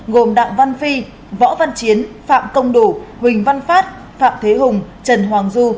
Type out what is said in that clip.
gồm đặng văn phi võ văn chiến phạm công đủ huỳnh văn phát phạm thế hùng trần hoàng du